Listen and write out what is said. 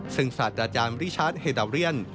ซึ่งศาสตราจารย์ริชัดเฮดาเรียน